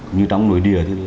như trong nội địa